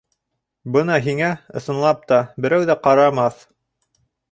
Бына һиңә, ысынлап та, берәү ҙә ҡарамаҫ.